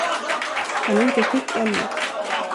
Han är inte i skick ännu.